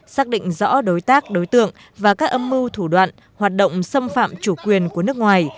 xác định rõ đối tác đối tượng và các âm mưu thủ đoạn hoạt động xâm phạm chủ quyền của nước ngoài